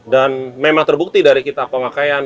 dan memang terbukti dari kita pemakaian